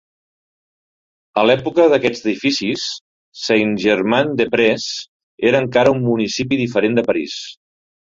A l'època d'aquests edificis, Saint-Germain-des-Prés era encara un municipi diferent de París.